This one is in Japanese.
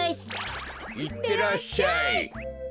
いってらっしゃい。